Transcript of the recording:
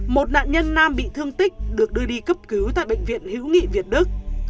một nạn nhân nam bị thương tích được đưa đi cấp cứu tại bệnh viện hữu nghị việt đức